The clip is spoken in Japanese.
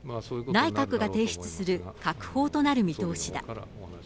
内閣が提出する閣法となる見通しだ。